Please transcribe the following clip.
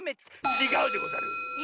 ちがうでござる！